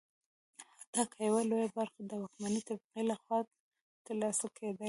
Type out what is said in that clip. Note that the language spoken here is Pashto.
حتی که یوه لویه برخه د واکمنې طبقې لخوا ترلاسه کېدلی.